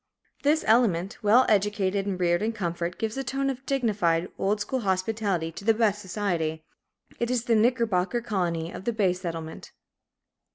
This element, well educated and reared in comfort, gives a tone of dignified, old school hospitality to the best society, it is the Knickerbocker Colony of the Bay Settlement.